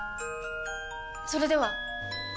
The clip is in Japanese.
それでは！